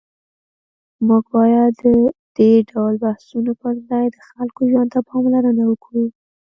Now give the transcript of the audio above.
موږ باید د دې ډول بحثونو پر ځای د خلکو ژوند ته پاملرنه وکړو.